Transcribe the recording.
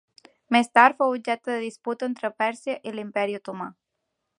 Més tard fou objecte de disputa entre Pèrsia i l'imperi Otomà.